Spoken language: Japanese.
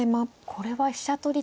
これは飛車取り。